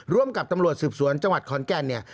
ร่วมกับตำรวจสืบสวนจังหวัดขอนแก่นเนี่ย